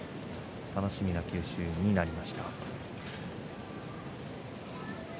楽しみな九州になりました。